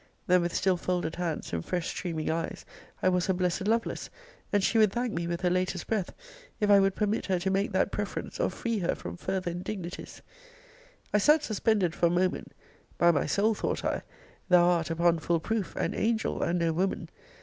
Then, with still folded hands, and fresh streaming eyes, I was her blessed Lovelace; and she would thank me with her latest breath if I would permit her to make that preference, or free her from farther indignities. I sat suspended for a moment: by my soul, thought I, thou art, upon full proof, an angel and no woman!